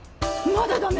まだダメ！